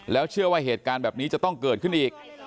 แล้วเชื่อว่าเหตุการณ์แบบนี้จะต้องเกิดขึ้นอีก